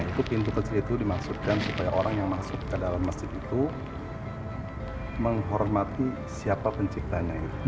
itu pintu kecil itu dimaksudkan supaya orang yang masuk ke dalam masjid itu menghormati siapa penciptanya itu